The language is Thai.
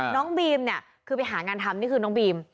น้องบีมเนี่ยคือไปหางานทำนี่คือน้องบีม